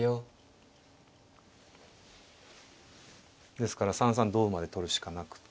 ですから３三同馬で取るしかなくて。